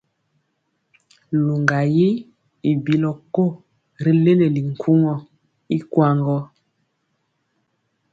Luŋga yi i bilɔ ko ri leleli nkuŋɔ ikwaŋ gɔ.